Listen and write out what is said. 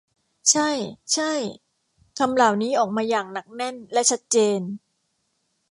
ใช่ ใช่ คำเหล่านี้ออกมาอย่างหนักแน่นและชัดเจน